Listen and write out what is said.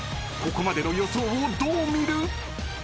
［ここまでの予想をどう見る？］